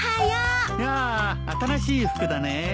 やあ新しい服だね。